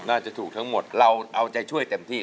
น่าจะถูกทั้งหมดเราเอาใจช่วยเต็มที่